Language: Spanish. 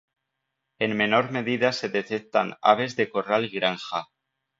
En menor medida se detectan aves de corral y granja.